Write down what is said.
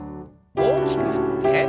大きく振って。